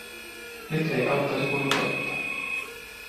Nyt ei auttaisi kuin odottaa.